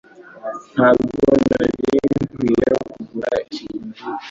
Ntabwo nari nkwiye kugura ikintu nkicyo.